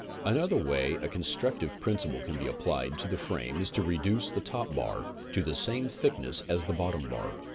Another way a constructive principle can be applied to the frame is to reduce the top bar to the same thickness as the bottom bar.